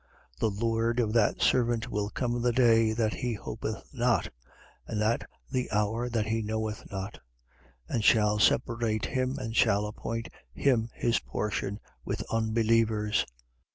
The lord of that servant will come in the day that he hopeth not, and at the hour that he knoweth not: and shall separate him and shall appoint him his portion with unbelievers.